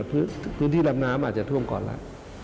พื้นที่ลำน้ำอาจจะท่วมก่อนแล้ว